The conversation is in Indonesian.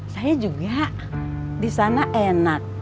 saya juga disana enak